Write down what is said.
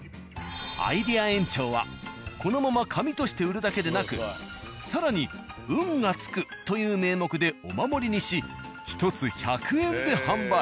アイデア園長はこのまま紙として売るだけでなく更に「運がつく」という名目でお守りにし１つ１００円で販売。